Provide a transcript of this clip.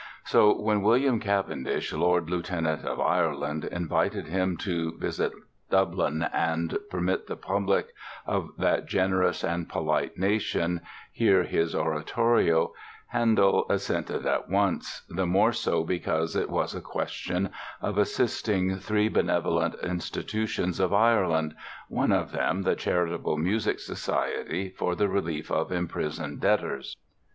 So when William Cavendish, Lord Lieutenant of Ireland, invited him to visit Dublin and permit the public of "that generous and polite Nation" hear his oratorios Handel assented at once, the more so because it was a question of assisting three benevolent institutions of Ireland (one of them the Charitable Musical Society for the Relief of Imprisoned Debtors).